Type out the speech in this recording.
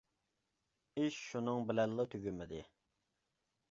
ئىش شۇنىڭ بىلەنلا تۈگىمىدى.